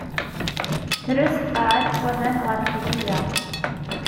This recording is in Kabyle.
Tres tqerɛet n waman ɣef tgida.